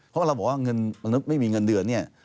เพราะเราบอกว่าเงินระมวล์นี้มีเงินเดือน